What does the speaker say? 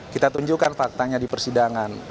kita tunjukkan faktanya di persidangan